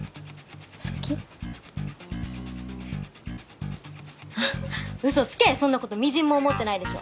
フッウソつけそんなことみじんも思ってないでしょ